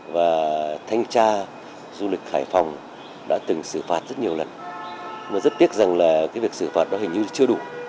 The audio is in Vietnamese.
và thanh tra du lịch hải phòng đã từng xử phạt rất nhiều lần nhưng rất tiếc rằng việc xử phạt đó hình như chưa đủ